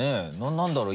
「何だろう？